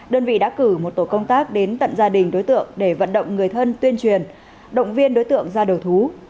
đơn vị đã cử một tổ công tác đến tận gia đình đối tượng để vận động người thân tuyên truyền động viên đối tượng ra đầu thú